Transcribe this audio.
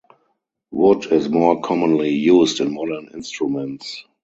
Wood is more commonly used in modern instruments.